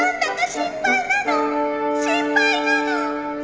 心配なの